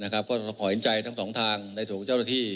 ก็ขอเห็นใจทั้งสองทางในส่วนของเจ้าหน้าที่